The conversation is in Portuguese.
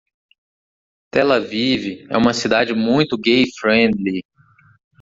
Tel Aviv é uma cidade muito gay friendly.